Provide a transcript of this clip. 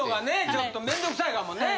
ちょっと面倒くさいかもね。